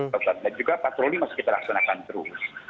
dan juga patroli masih kita laksanakan terus